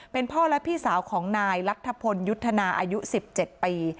เป็นพ่อและพี่สาวของนายรัฐพลยุทธนาอายุ๑๗ปี